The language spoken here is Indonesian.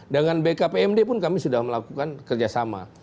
dengan bkpmd pun kami sudah melakukan kerjasama